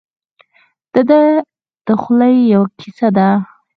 دده د خولې یوه کیسه ده.